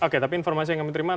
oke tapi informasi yang kami terima